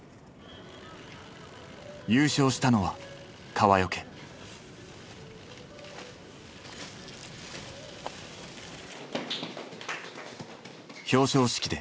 優勝したのは川除。